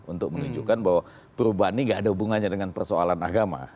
untuk menunjukkan bahwa perubahan ini gak ada hubungannya dengan persoalan agama